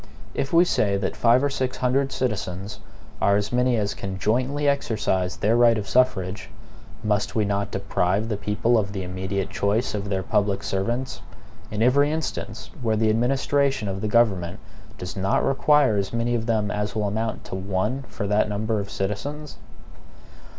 If we say that five or six hundred citizens are as many as can jointly exercise their right of suffrage, must we not deprive the people of the immediate choice of their public servants, in every instance where the administration of the government does not require as many of them as will amount to one for that number of citizens?